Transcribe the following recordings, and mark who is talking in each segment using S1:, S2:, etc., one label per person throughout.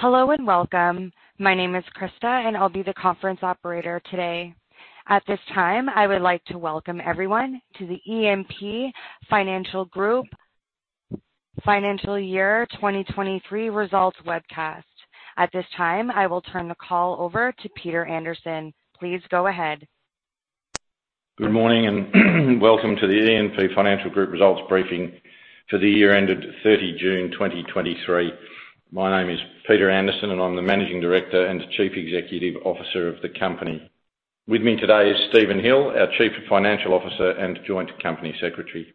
S1: Hello, and welcome. My name is Krista, and I'll be the conference operator today. At this time, I would like to welcome everyone to the E&P Financial Group Financial Year 2023 Results webcast. At this time, I will turn the call over to Peter Anderson. Please go ahead.
S2: Good morning, and welcome to the E&P Financial Group Results briefing for the year ended 30 June 2023. My name is Peter Anderson, and I'm the Managing Director and Chief Executive Officer of the company. With me today is Stephen Hill, our Chief Financial Officer and Joint Company Secretary.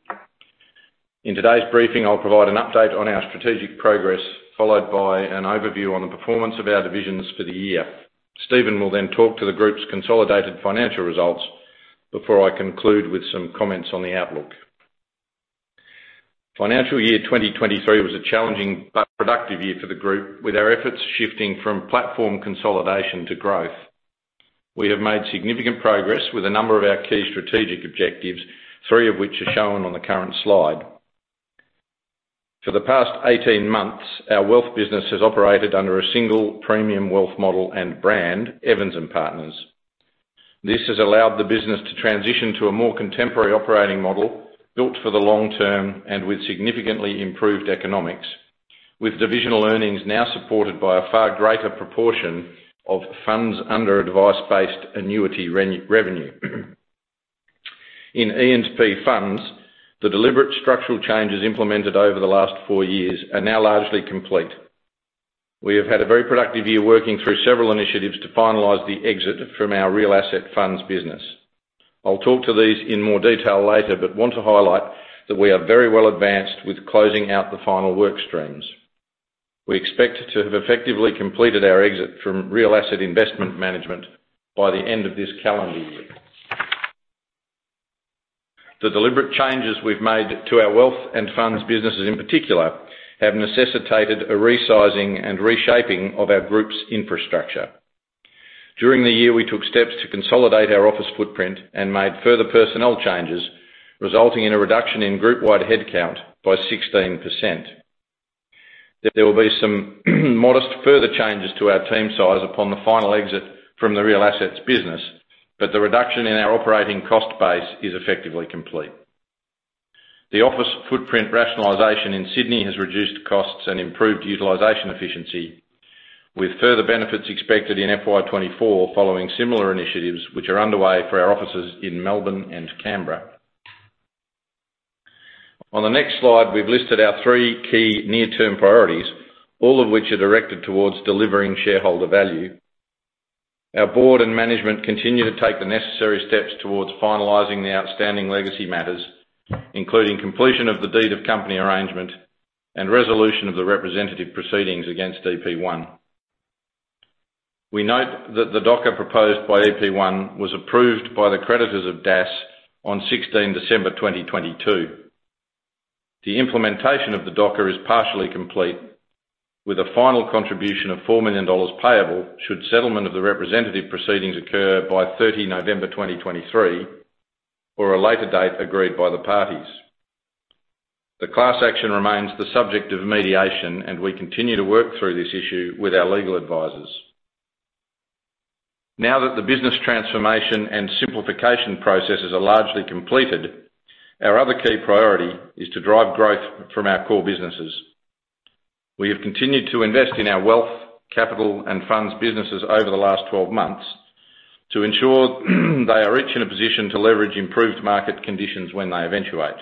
S2: In today's briefing, I'll provide an update on our strategic progress, followed by an overview on the performance of our divisions for the year. Stephen will then talk to the group's consolidated financial results before I conclude with some comments on the outlook. Financial year 2023 was a challenging but productive year for the group, with our efforts shifting from platform consolidation to growth. We have made significant progress with a number of our key strategic objectives, three of which are shown on the current slide. For the past 18 months, our wealth business has operated under a single premium wealth model and brand, Evans and Partners. This has allowed the business to transition to a more contemporary operating model, built for the long term and with significantly improved economics, with divisional earnings now supported by a far greater proportion of funds under advice-based annuity revenue. In E&P Funds, the deliberate structural changes implemented over the last 4 years are now largely complete. We have had a very productive year working through several initiatives to finalize the exit from our real asset funds business. I'll talk to these in more detail later, but want to highlight that we are very well advanced with closing out the final work streams. We expect to have effectively completed our exit from real asset investment management by the end of this calendar year. The deliberate changes we've made to our wealth and funds businesses, in particular, have necessitated a resizing and reshaping of our group's infrastructure. During the year, we took steps to consolidate our office footprint and made further personnel changes, resulting in a reduction in group-wide headcount by 16%. There will be some modest further changes to our team size upon the final exit from the real assets business, but the reduction in our operating cost base is effectively complete. The office footprint rationalization in Sydney has reduced costs and improved utilization efficiency, with further benefits expected in FY 2024, following similar initiatives which are underway for our offices in Melbourne and Canberra. On the next slide, we've listed our three key near-term priorities, all of which are directed towards delivering shareholder value. Our board and management continue to take the necessary steps towards finalizing the outstanding legacy matters, including completion of the Deed of Company Arrangement and resolution of the representative proceedings against EP1. We note that the DOCA proposed by EP1 was approved by the creditors of DASS on 16 December 2022. The implementation of the DOCA is partially complete, with a final contribution of 4 million dollars payable should settlement of the representative proceedings occur by 30 November 2023 or a later date agreed by the parties. The class action remains the subject of mediation, and we continue to work through this issue with our legal advisors. Now that the business transformation and simplification processes are largely completed, our other key priority is to drive growth from our core businesses. We have continued to invest in our wealth, capital, and funds businesses over the last 12 months to ensure they are each in a position to leverage improved market conditions when they eventuate.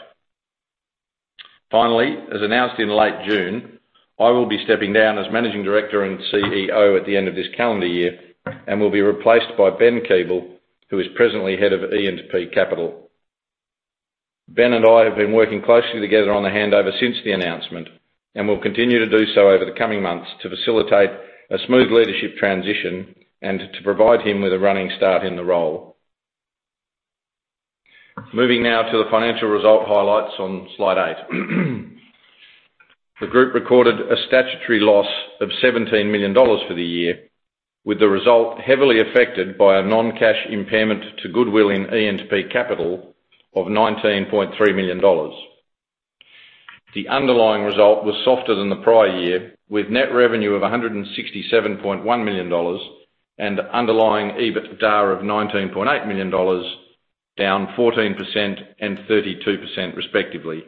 S2: Finally, as announced in late June, I will be stepping down as Managing Director and CEO at the end of this calendar year and will be replaced by Ben Keeble, who is presently Head of E&P Capital. Ben and I have been working closely together on the handover since the announcement and will continue to do so over the coming months to facilitate a smooth leadership transition and to provide him with a running start in the role. Moving now to the financial result highlights on slide 8. The group recorded a statutory loss of 17 million dollars for the year, with the result heavily affected by a non-cash impairment to goodwill in E&P Capital of 19.3 million dollars. The underlying result was softer than the prior year, with net revenue of 167.1 million dollars and underlying EBITDA of 19.8 million dollars, down 14% and 32% respectively.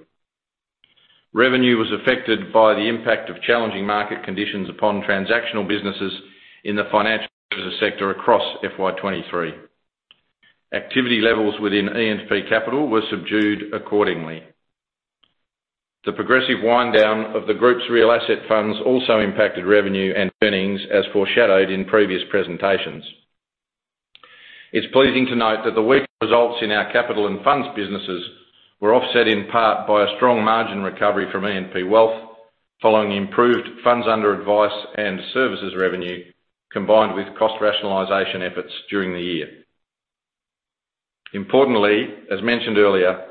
S2: Revenue was affected by the impact of challenging market conditions upon transactional businesses in the financial services sector across FY 2023. Activity levels within E&P Capital were subdued accordingly. The progressive wind down of the group's real asset funds also impacted revenue and earnings, as foreshadowed in previous presentations. It's pleasing to note that the weak results in our capital and funds businesses were offset in part by a strong margin recovery from E&P Wealth, following improved funds under advice and services revenue, combined with cost rationalization efforts during the year. Importantly, as mentioned earlier,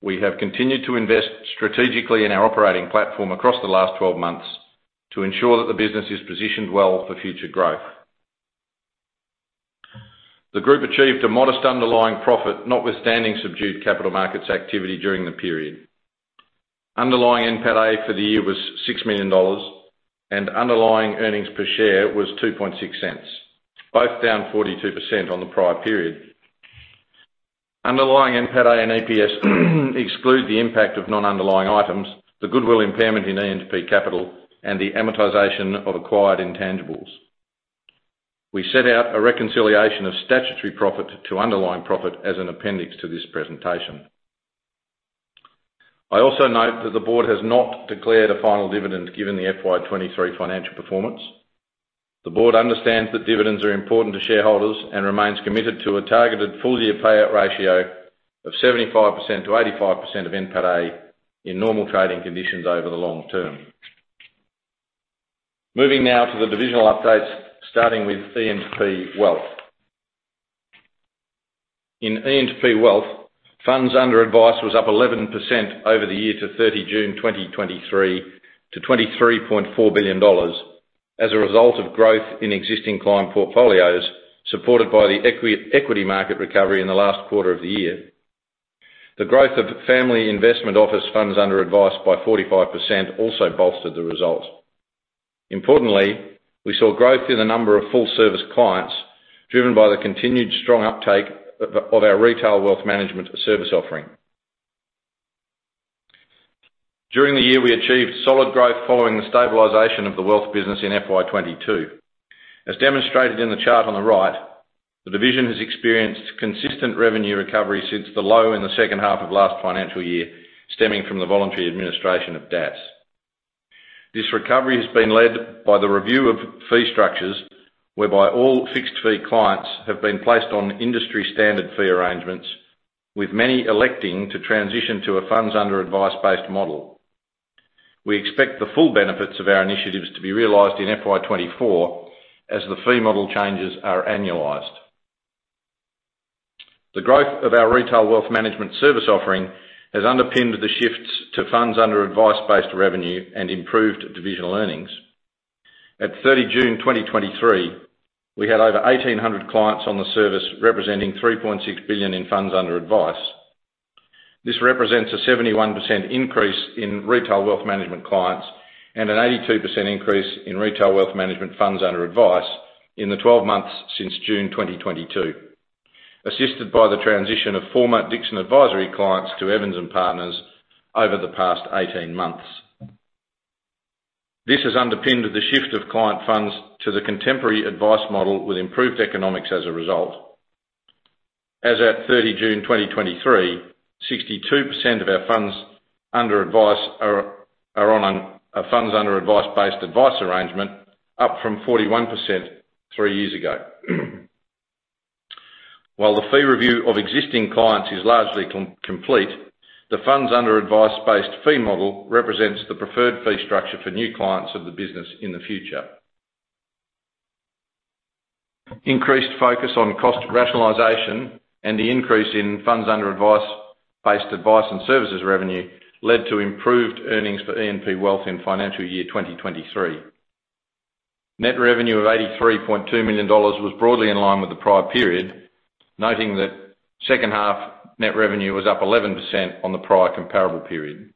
S2: we have continued to invest strategically in our operating platform across the last 12 months to ensure that the business is positioned well for future growth. The group achieved a modest underlying profit, notwithstanding subdued capital markets activity during the period. Underlying NPATAA for the year was 6 million dollars, and underlying earnings per share was 2.6 cents, both down 42% on the prior period. Underlying NPATAA and EPS exclude the impact of non-underlying items, the goodwill impairment in E&P Capital, and the amortization of acquired intangibles. We set out a reconciliation of statutory profit to underlying profit as an appendix to this presentation. I also note that the board has not declared a final dividend, given the FY23 financial performance. The board understands that dividends are important to shareholders and remains committed to a targeted full-year payout ratio of 75-85% of NPATAA in normal trading conditions over the long term. Moving now to the divisional updates, starting with E&P Wealth. In E&P Wealth, funds under advice was up 11% over the year to 30 June 2023, to 23.4 billion dollars, as a result of growth in existing client portfolios, supported by the equity market recovery in the last quarter of the year. The growth of family investment office funds under advice by 45% also bolstered the results. Importantly, we saw growth in the number of full-service clients, driven by the continued strong uptake of our retail wealth management service offering. During the year, we achieved solid growth following the stabilization of the wealth business in FY 2022. As demonstrated in the chart on the right, the division has experienced consistent revenue recovery since the low in the second half of last financial year, stemming from the voluntary administration of DASS. This recovery has been led by the review of fee structures, whereby all fixed-fee clients have been placed on industry-standard fee arrangements, with many electing to transition to a funds under advice-based model. We expect the full benefits of our initiatives to be realized in FY 2024, as the fee model changes are annualized. The growth of our retail wealth management service offering has underpinned the shifts to funds under advice-based revenue and improved divisional earnings. At 30 June 2023, we had over 1,800 clients on the service, representing 3.6 billion in funds under advice. This represents a 71% increase in retail wealth management clients and an 82% increase in retail wealth management funds under advice in the 12 months since June 2022, assisted by the transition of former Dixon advisory clients to Evans & Partners over the past 18 months. This has underpinned the shift of client funds to the contemporary advice model, with improved economics as a result. As at 30 June 2023, 62% of our funds under advice are on a funds under advice-based advice arrangement, up from 41% three years ago. While the fee review of existing clients is largely complete, the funds under advice-based fee model represents the preferred fee structure for new clients of the business in the future. Increased focus on cost rationalization and the increase in funds under advice-based advice and services revenue led to improved earnings for E&P Wealth in financial year 2023. Net revenue of AUD 83.2 million was broadly in line with the prior period, noting that second half net revenue was up 11% on the prior comparable period.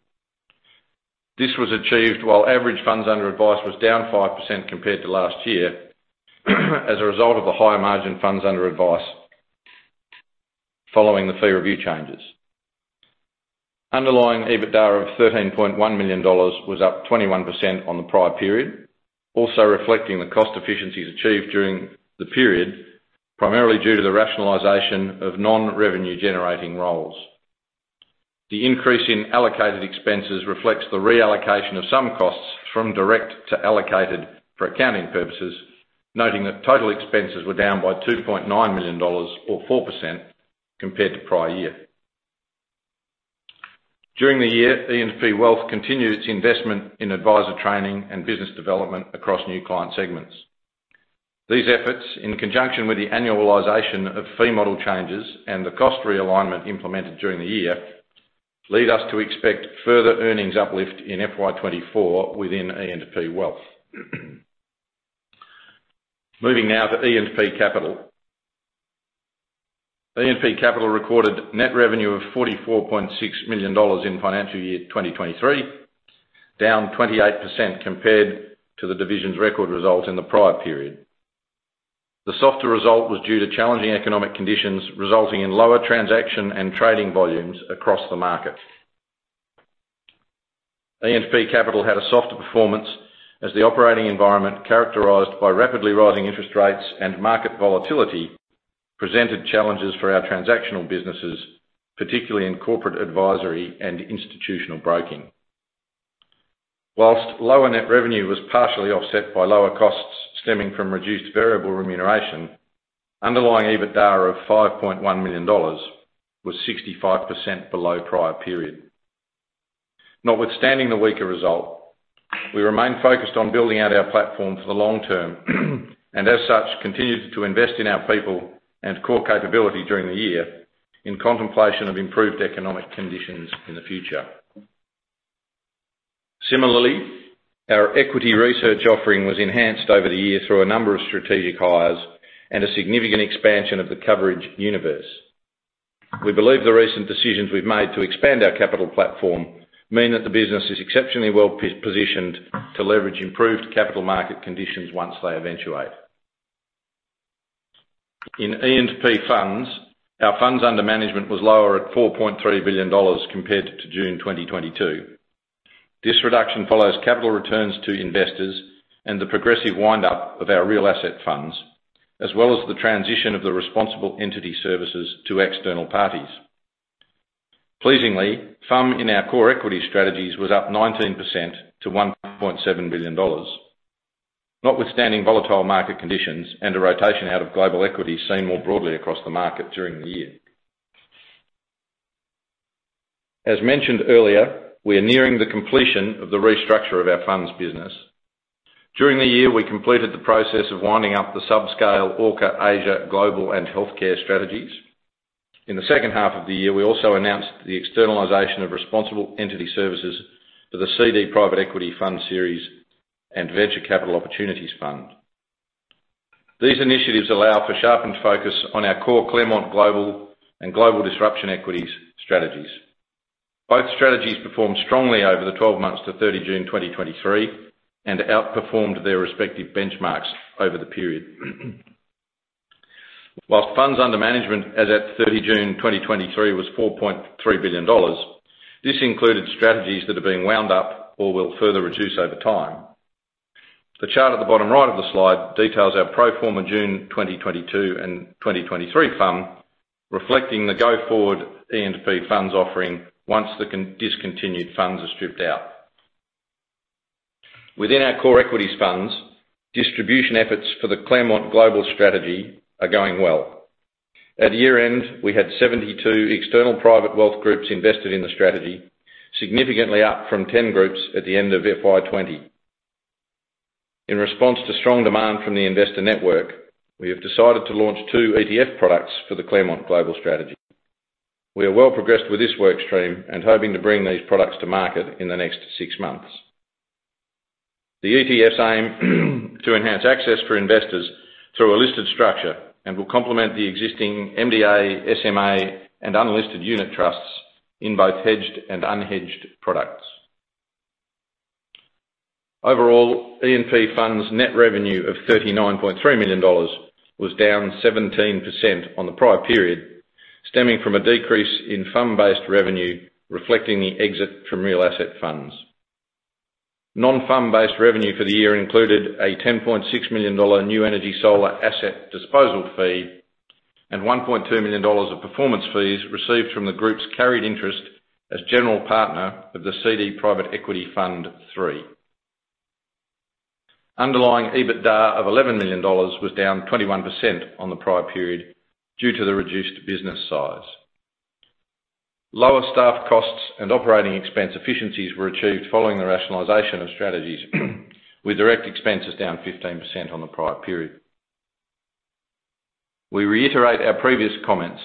S2: This was achieved while average funds under advice was down 5% compared to last year, as a result of the higher margin funds under advice following the fee review changes. Underlying EBITDA of AUD 13.1 million was up 21% on the prior period, also reflecting the cost efficiencies achieved during the period, primarily due to the rationalization of non-revenue-generating roles. The increase in allocated expenses reflects the reallocation of some costs from direct to allocated for accounting purposes, noting that total expenses were down by 2.9 million dollars, or 4%, compared to prior year. During the year, E&P Wealth continued its investment in advisor training and business development across new client segments. These efforts, in conjunction with the annualization of fee model changes and the cost realignment implemented during the year, lead us to expect further earnings uplift in FY 2024 within E&P Wealth. Moving now to E&P Capital. E&P Capital recorded net revenue of 44.6 million dollars in financial year 2023, down 28% compared to the division's record result in the prior period. The softer result was due to challenging economic conditions, resulting in lower transaction and trading volumes across the market. E&P Capital had a softer performance as the operating environment, characterized by rapidly rising interest rates and market volatility, presented challenges for our transactional businesses, particularly in corporate advisory and institutional broking. While lower net revenue was partially offset by lower costs stemming from reduced variable remuneration, underlying EBITDA of 5.1 million dollars was 65% below prior period. Notwithstanding the weaker result, we remain focused on building out our platform for the long term and, as such, continued to invest in our people and core capability during the year in contemplation of improved economic conditions in the future.... Similarly, our equity research offering was enhanced over the year through a number of strategic hires and a significant expansion of the coverage universe. We believe the recent decisions we've made to expand our capital platform mean that the business is exceptionally well positioned to leverage improved capital market conditions once they eventuate. In E&P Funds, our funds under management was lower at 4.3 billion dollars compared to June 2022. This reduction follows capital returns to investors and the progressive wind up of our real asset funds, as well as the transition of the responsible entity services to external parties. Pleasingly, FUM in our core equity strategies was up 19% to 1.7 billion dollars, notwithstanding volatile market conditions and a rotation out of global equity seen more broadly across the market during the year. As mentioned earlier, we are nearing the completion of the restructure of our funds business. During the year, we completed the process of winding up the subscale Orca, Asia, Global, and Healthcare strategies. In the second half of the year, we also announced the externalization of responsible entity services for the CD Private Equity Fund series and Venture Capital Opportunities Fund. These initiatives allow for sharpened focus on our core Claremont Global and Global Disruption Equities strategies. Both strategies performed strongly over the 12 months to 30 June 2023, and outperformed their respective benchmarks over the period. Whilst funds under management, as at 30 June 2023, was 4.3 billion dollars, this included strategies that are being wound up or will further reduce over time. The chart at the bottom right of the slide details our pro forma June 2022 and 2023 FUM, reflecting the go-forward E&P Funds offering once the discontinued funds are stripped out. Within our core equities funds, distribution efforts for the Claremont Global strategy are going well. At year-end, we had 72 external private wealth groups invested in the strategy, significantly up from 10 groups at the end of FY 2020. In response to strong demand from the investor network, we have decided to launch 2 ETF products for the Claremont Global strategy. We are well progressed with this work stream and hoping to bring these products to market in the next 6 months. The ETFs aim to enhance access for investors through a listed structure and will complement the existing MDA, SMA, and unlisted unit trusts in both hedged and unhedged products. Overall, E&P Funds' net revenue of 39.3 million dollars was down 17% on the prior period, stemming from a decrease in FUM-based revenue, reflecting the exit from real asset funds. Non-FUM-based revenue for the year included a 10.6 million dollar New Energy Solar asset disposal fee and 1.2 million dollars of performance fees received from the group's carried interest as general partner of the CD Private Equity Fund 3. Underlying EBITDA of 11 million dollars was down 21% on the prior period due to the reduced business size. Lower staff costs and operating expense efficiencies were achieved following the rationalization of strategies, with direct expenses down 15% on the prior period. We reiterate our previous comments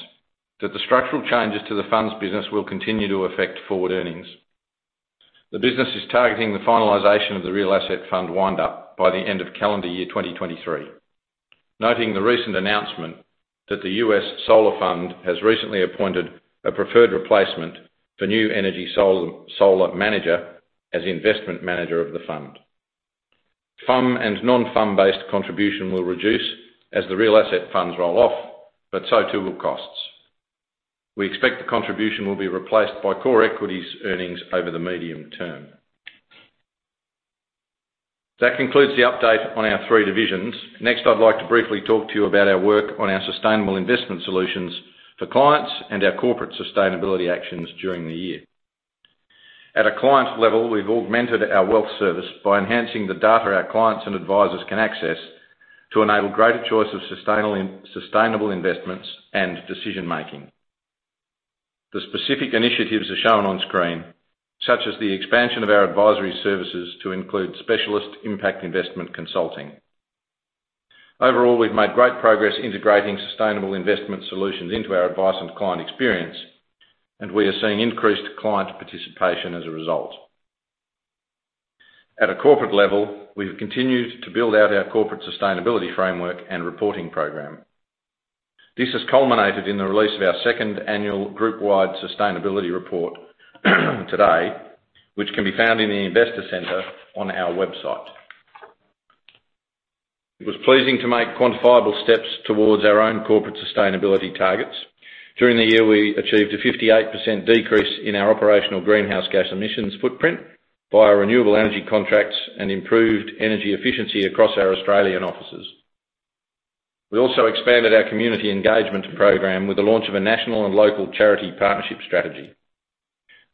S2: that the structural changes to the funds business will continue to affect forward earnings. The business is targeting the finalization of the real asset fund wind up by the end of calendar year 2023, noting the recent announcement that the U.S. Solar Fund has recently appointed a preferred replacement for New Energy Solar Manager as investment manager of the fund. FUM and non-FUM-based contribution will reduce as the real asset funds roll off, but so too will costs. We expect the contribution will be replaced by core equities earnings over the medium term. That concludes the update on our three divisions. Next, I'd like to briefly talk to you about our work on our sustainable investment solutions for clients and our corporate sustainability actions during the year. At a client level, we've augmented our wealth service by enhancing the data our clients and advisors can access to enable greater choice of sustainable investments and decision-making. The specific initiatives are shown on screen, such as the expansion of our advisory services to include specialist impact investment consulting. Overall, we've made great progress integrating sustainable investment solutions into our advice and client experience, and we are seeing increased client participation as a result. At a corporate level, we've continued to build out our corporate sustainability framework and reporting program. This has culminated in the release of our second annual group-wide sustainability report, today, which can be found in the Investor Center on our website. It was pleasing to make quantifiable steps towards our own corporate sustainability targets. During the year, we achieved a 58% decrease in our operational greenhouse gas emissions footprint via renewable energy contracts and improved energy efficiency across our Australian offices. We also expanded our community engagement program with the launch of a national and local charity partnership strategy.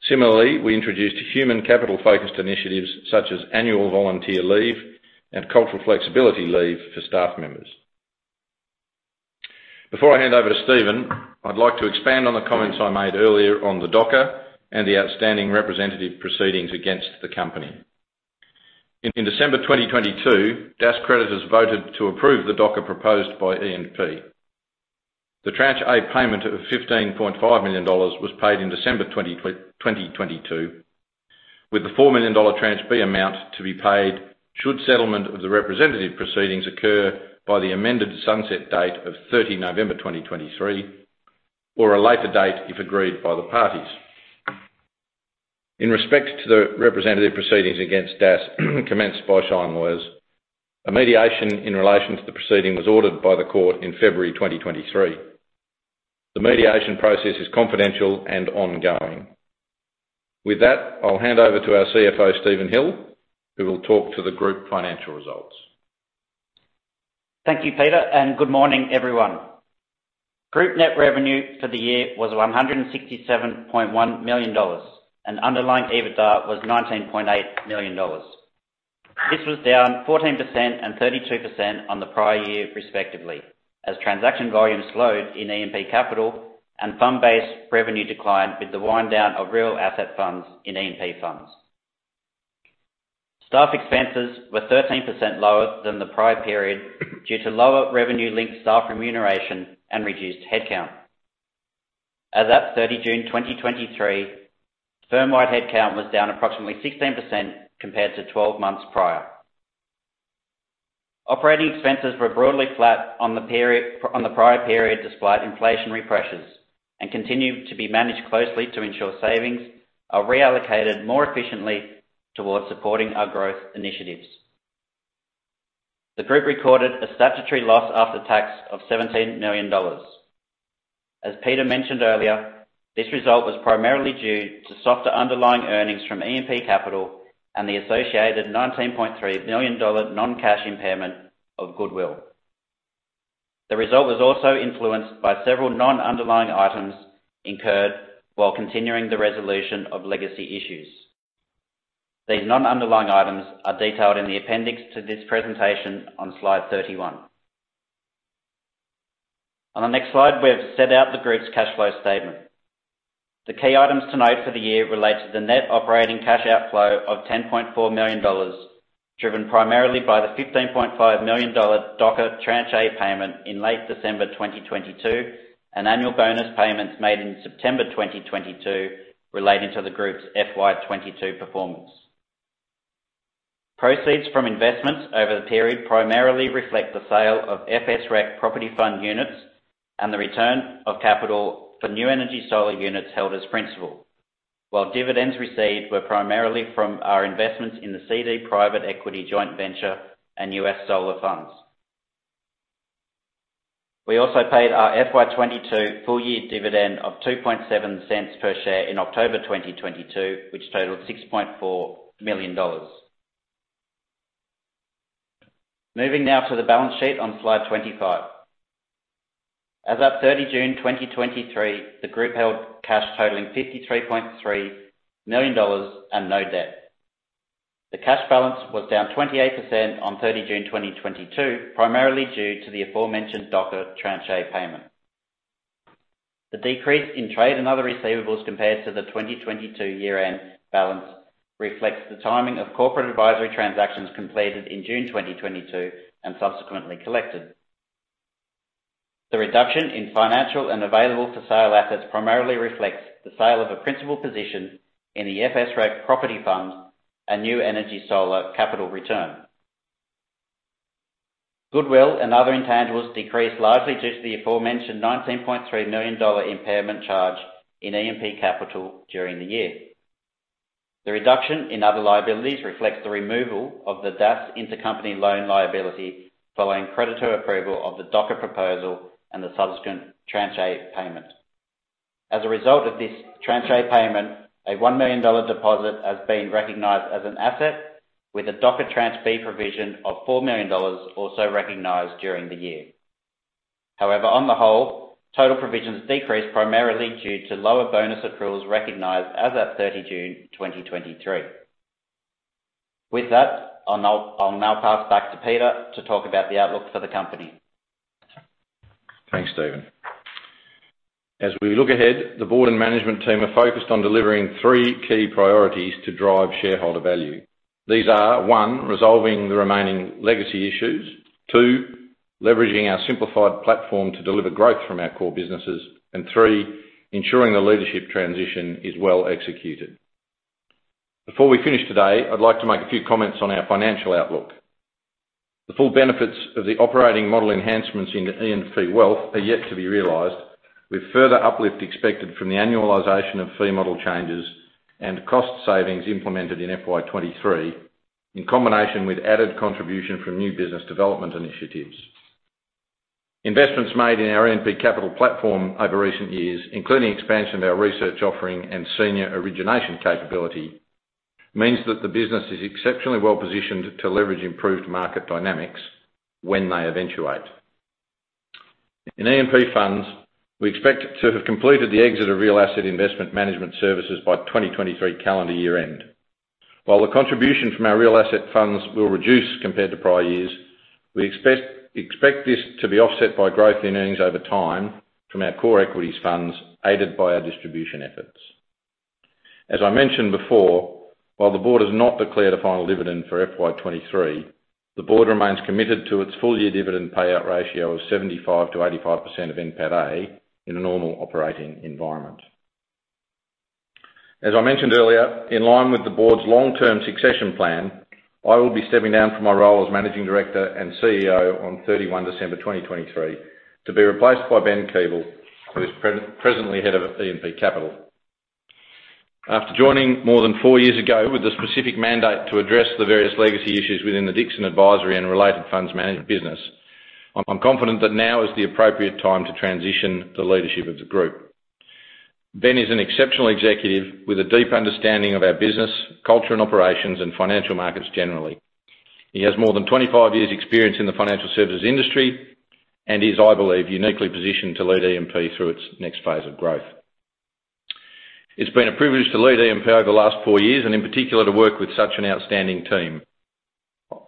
S2: Similarly, we introduced human capital-focused initiatives such as annual volunteer leave and cultural flexibility leave for staff members. Before I hand over to Stephen, I'd like to expand on the comments I made earlier on the DOCA and the outstanding representative proceedings against the company. In December 2022, DASS creditors voted to approve the DOCA proposed by E&P. The Tranche A payment of AUD 15.5 million was paid in December 2022, with the AUD 4 million Tranche B amount to be paid should settlement of the representative proceedings occur by the amended sunset date of 30 November 2023, or a later date, if agreed by the parties. In respect to the representative proceedings against DASS commenced by Shine Lawyers, a mediation in relation to the proceeding was ordered by the court in February 2023. The mediation process is confidential and ongoing. With that, I'll hand over to our CFO, Stephen Hill, who will talk to the group financial results.
S3: Thank you, Peter, and good morning, everyone. Group net revenue for the year was 167.1 million dollars, and underlying EBITDA was 19.8 million dollars. This was down 14% and 32% on the prior year, respectively, as transaction volume slowed in E&P Capital and fund base revenue declined with the wind down of real asset funds in E&P Funds. Staff expenses were 13% lower than the prior period, due to lower revenue linked staff remuneration and reduced headcount. As at 30 June 2023, firm-wide headcount was down approximately 16% compared to 12 months prior. Operating expenses were broadly flat on the prior period, despite inflationary pressures, and continue to be managed closely to ensure savings are reallocated more efficiently towards supporting our growth initiatives. The group recorded a statutory loss after tax of 17 million dollars. As Peter mentioned earlier, this result was primarily due to softer underlying earnings from E&P Capital and the associated AUD 19.3 million non-cash impairment of goodwill. The result was also influenced by several non-underlying items incurred while continuing the resolution of legacy issues. These non-underlying items are detailed in the appendix to this presentation on slide 31. On the next slide, we've set out the group's cash flow statement. The key items to note for the year relate to the net operating cash outflow of 10.4 million dollars, driven primarily by the 15.5 million dollar DOCA Tranche A payment in late December 2022, and annual bonus payments made in September 2022 relating to the group's FY 2022 performance. Proceeds from investments over the period primarily reflect the sale of FSRec Property Fund units, and the return of capital for New Energy Solar units held as principal, while dividends received were primarily from our investments in the CD Private Equity joint venture and U.S. solar funds. We also paid our FY 22 full year dividend of 0.027 per share in October 2022, which totaled 6.4 million dollars. Moving now to the balance sheet on Slide 25. As at 30 June 2023, the group held cash totaling 53.3 million dollars and no debt. The cash balance was down 28% on 30 June 2022, primarily due to the aforementioned DOCA Tranche A payment. The decrease in trade and other receivables compared to the 2022 year-end balance, reflects the timing of corporate advisory transactions completed in June 2022, and subsequently collected. The reduction in financial and available for sale assets primarily reflects the sale of a principal position in the FSRec Property Fund, a New Energy Solar capital return. Goodwill and other intangibles decreased largely due to the aforementioned AUD 19.3 million impairment charge in E&P Capital during the year. The reduction in other liabilities reflects the removal of the DASS intercompany loan liability, following creditor approval of the DOCA proposal and the subsequent Tranche A payment. As a result of this Tranche A payment, a 1 million dollar deposit has been recognized as an asset, with a DOCA Tranche B provision of 4 million dollars also recognized during the year. However, on the whole, total provisions decreased primarily due to lower bonus accruals recognized as at 30 June 2023. With that, I'll now pass back to Peter to talk about the outlook for the company.
S2: Thanks, Stephen. As we look ahead, the board and management team are focused on delivering three key priorities to drive shareholder value. These are, one, resolving the remaining legacy issues. Two, leveraging our simplified platform to deliver growth from our core businesses. And three, ensuring the leadership transition is well executed. Before we finish today, I'd like to make a few comments on our financial outlook. The full benefits of the operating model enhancements in E&P Wealth are yet to be realized, with further uplift expected from the annualization of fee model changes and cost savings implemented in FY 2023, in combination with added contribution from new business development initiatives. Investments made in our E&P Capital platform over recent years, including expansion of our research offering and senior origination capability, means that the business is exceptionally well positioned to leverage improved market dynamics when they eventuate. In E&P Funds, we expect to have completed the exit of real asset investment management services by 2023 calendar year end. While the contribution from our real asset funds will reduce compared to prior years, we expect this to be offset by growth in earnings over time from our core equities funds, aided by our distribution efforts. As I mentioned before, while the board has not declared a final dividend for FY 2023, the board remains committed to its full-year dividend payout ratio of 75-85% of NPATA in a normal operating environment. As I mentioned earlier, in line with the board's long-term succession plan, I will be stepping down from my role as Managing Director and CEO on December 31, 2023, to be replaced by Ben Keeble, who is presently head of E&P Capital. After joining more than four years ago with a specific mandate to address the various legacy issues within the Dixon Advisory and related funds management business, I'm confident that now is the appropriate time to transition the leadership of the group. Ben is an exceptional executive with a deep understanding of our business, culture, and operations, and financial markets generally. He has more than 25 years' experience in the financial services industry and is, I believe, uniquely positioned to lead E&P through its next phase of growth. It's been a privilege to lead E&P over the last four years, and in particular, to work with such an outstanding team.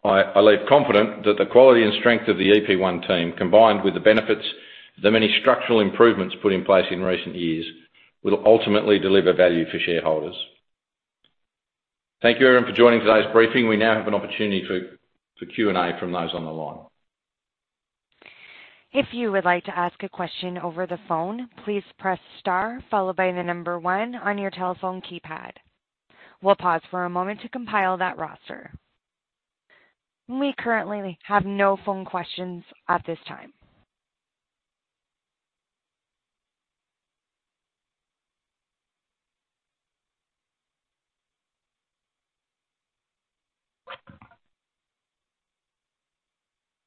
S2: I leave confident that the quality and strength of the E&P team, combined with the benefits of the many structural improvements put in place in recent years, will ultimately deliver value for shareholders. Thank you, everyone, for joining today's briefing. We now have an opportunity for Q&A from those on the line.
S1: If you would like to ask a question over the phone, please press star followed by the number one on your telephone keypad. We'll pause for a moment to compile that roster. We currently have no phone questions at this time.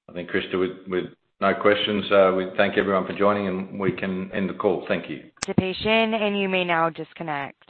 S2: I think, Krista, with no questions, we thank everyone for joining, and we can end the call. Thank you.
S1: Thank you for your patience, and you may now disconnect.